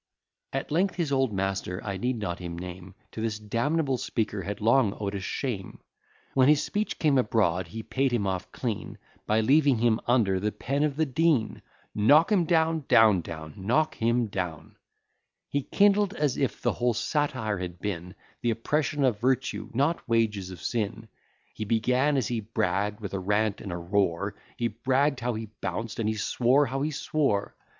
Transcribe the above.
At length his old master, (I need not him name,) To this damnable speaker had long owed a shame; When his speech came abroad, he paid him off clean, By leaving him under the pen of the Dean. Knock him down, etc. He kindled, as if the whole satire had been The oppression of virtue, not wages of sin: He began, as he bragg'd, with a rant and a roar; He bragg'd how he bounced, and he swore how he swore.